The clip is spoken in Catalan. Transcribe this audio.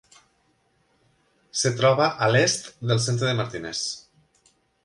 Es troba a l'est del centre de Martinez.